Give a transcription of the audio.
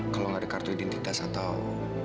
kalau nggak ada kartu identitas atau